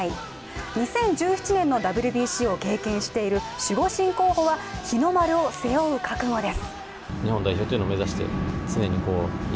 ２０１７年のＷＢＣを経験している守護神候補は日の丸を背負う覚悟です。